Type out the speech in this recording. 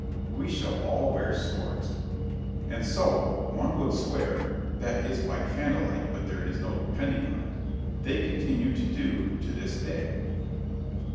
_ we shall all wear swords—— —And so, one would swear, (that is, by candle light,—but there is no depending upon it,) they continued to do, to this day.